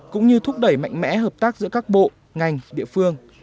cũng như thúc đẩy mạnh mẽ hợp tác giữa các bộ ngành địa phương